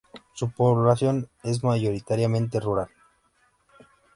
Su población es mayoritariamente rural.